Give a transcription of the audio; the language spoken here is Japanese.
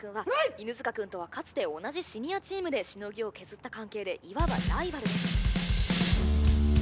犬塚くんとはかつて同じシニアチームでしのぎを削った関係でいわばライバルです